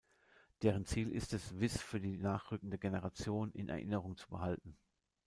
Deren Ziel ist es, Wyss für die nachrückende Generation in Erinnerung zu behalten.